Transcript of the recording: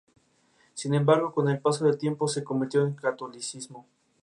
Sin embargo, con el paso del tiempo se convirtió al catolicismo.